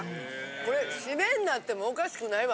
これシメになってもおかしくないわ。